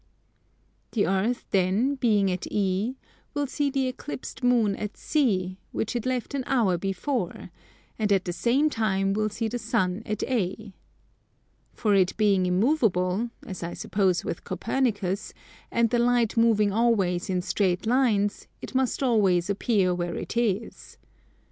The Earth then, being at E, will see the Eclipsed Moon at C, which it left an hour before, and at the same time will see the sun at A. For it being immovable, as I suppose with Copernicus, and the light moving always in straight lines, it must always appear where it is.